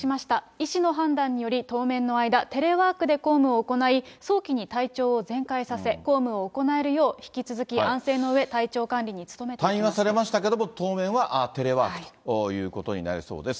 医師の判断により、当面の間、テレワークで公務を行い、早期に体調を全快させ、公務を行えるよう、引き続き安静のうえ、退院はされましたけれども、当面はテレワークということになりそうです。